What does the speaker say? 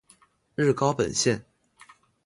日高本线。